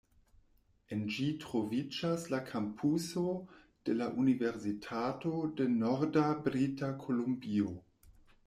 En ĝi troviĝas la kampuso de la Universitato de Norda Brita Kolumbio.